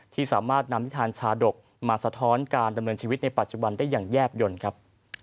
ที่สามารถนำนิทานชาดกมาสะท้อนการดำเนินชีวิตในปัจจุบันได้อย่างแยบยนต์ครับ